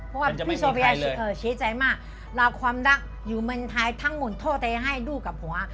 เพราะว่าพี่โซพยายามชี้ใจมากเราความรักอยู่เมืองไทยทั้งหมดโทษแต่อย่าให้ลูกกับหัว